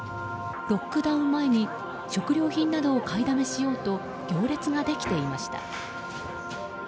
ロックダウン前に食料品などを買いだめしようと行列ができていました。